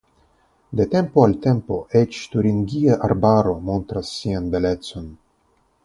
De tempo al tempo eĉ Turingia Arbaro montras sian belecon.